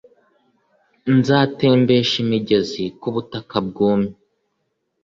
nzatembesha imigezi ku butaka bwumye."